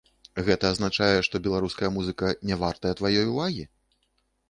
Гэта азначае, што беларуская музыка нявартая тваёй увагі?